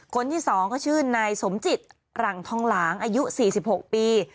คนที่๒ก็ชื่อนายสมจิตหลังทองหลางอายุ๔๖ปี